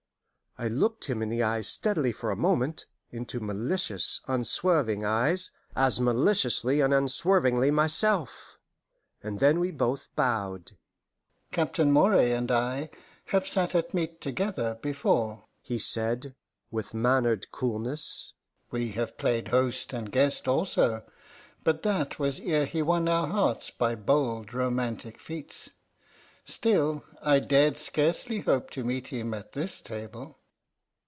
I looked him in the eyes steadily for a moment, into malicious, unswerving eyes, as maliciously and unswervingly myself, and then we both bowed. "Captain Moray and I have sat at meat together before," he said, with mannered coolness. "We have played host and guest also: but that was ere he won our hearts by bold, romantic feats. Still, I dared scarcely hope to meet him at this table."